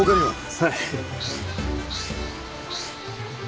はい。